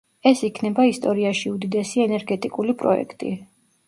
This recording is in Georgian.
ეს იქნება ისტორიაში უდიდესი ენერგეტიკული პროექტი.